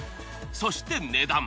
そして値段。